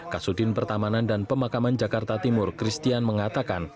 kasudin pertamanan dan pemakaman jakarta timur christian mengatakan